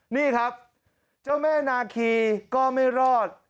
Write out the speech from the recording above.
นี่ครับเจ้าแม่นาคีก็ไม่รอด